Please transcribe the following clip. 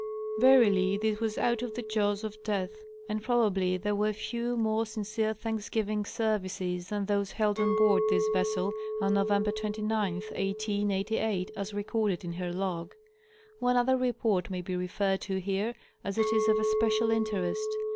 Verily, this was "out of the jaws of death," and probably there were few more sincere thanksgiving services than those held on board this vessel on Noy. 29th, 1888, as recorded in her log. One other report may be referred to here, as it is of especial interest.